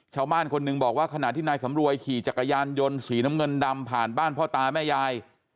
ชาวบ้านคนหนึ่งบอกว่าขณะที่นายสำรวยขี่จักรยานยนต์สีน้ำเงินดำผ่านบ้านพ่อตาแม่ยาย